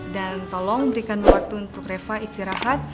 dan tolong berikan waktu untuk reva istirahat